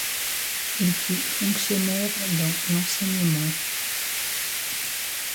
Il fut fonctionnaire dans l'enseignement.